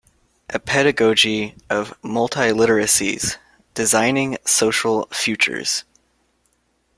A Pedagogy of Multiliteracies: Designing Social Futures.